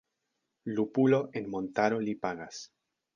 Lupulo en montaro Li pagas!